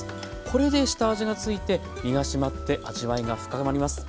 これで下味が付いて身が締まって味わいが深まります。